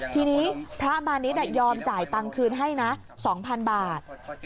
ทีนี้พระอมารณิชย์โยมจ่ายปังคืนให้๒๐๐๐บาท